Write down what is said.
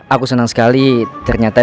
aku senang sekali ternyata